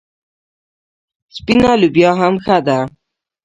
سپینه لوبیا هم ښه ده.